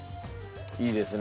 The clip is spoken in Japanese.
いいですね